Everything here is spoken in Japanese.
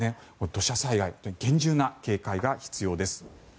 土砂災害厳重な警戒が必要です。